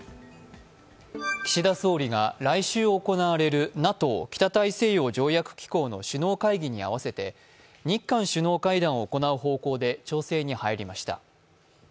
岸田総理が来週行われるＮＡＴＯ＝北大西洋条約機構の首脳会議に合わせて日韓首脳会談を行う方向で調整に入りました。